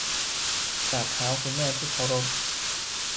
กราบเท้าคุณแม่ที่เคารพ